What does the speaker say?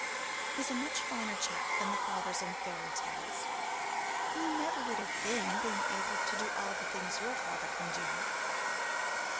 He's a much finer chap than the fathers in fairy tales. You never read of them being able to do all the things your father can do."